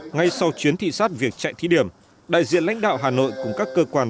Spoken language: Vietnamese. ngay sau chuyến thị sát việc chạy thí điểm đại diện lãnh đạo hà nội cùng các cơ quan